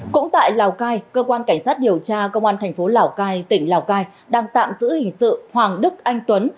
cũng tại lào cai cơ quan cảnh sát điều tra công an thành phố lào cai tỉnh lào cai đang tạm giữ hình sự hoàng đức anh tuấn